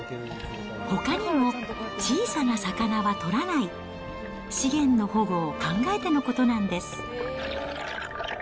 ほかにも、小さな魚は取らない、資源の保護を考えてのことなんです。